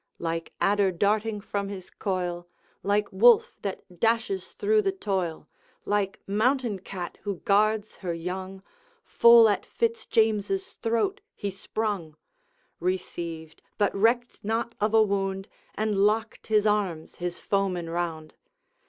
Like adder darting from his coil, Like wolf that dashes through the toil, Like mountain cat who guards her young, Full at Fitz James's throat he sprung; Received, but recked not of a wound, And locked his arms his foeman round.